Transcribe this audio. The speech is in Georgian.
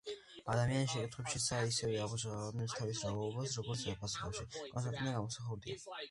ადამიანი შეკითხვებშიაც ისევე ამჟღავნებს თავის რაობას, როგორც პასუხებში.” – კონსტანტინე გამსახურდია.